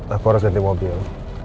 aku harus ganti mobil